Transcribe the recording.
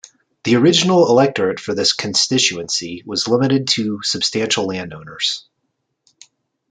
The original electorate for this constituency was limited to substantial landowners.